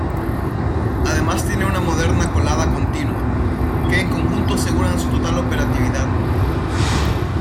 Además tiene una moderna colada continua, que en conjunto aseguran su total operatividad.